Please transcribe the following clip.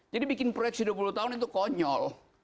jadi bikin proyeksi dua puluh tahun itu konyol